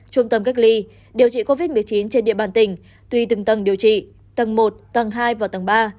trung tâm cách ly điều trị covid một mươi chín trên địa bàn tỉnh tùy từng tầng điều trị tầng một tầng hai và tầng ba